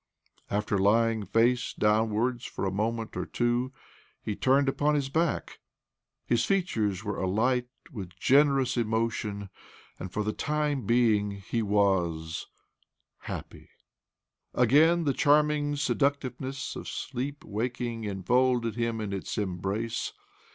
... After lying face downwards for a moment or two, he turned upon his back. His features were alight with generous emotion, and for the time being he vfa.s— happy. Again the charming seductiveness of sleep waking enfolded him in its embrace.